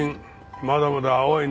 まだまだ青いな。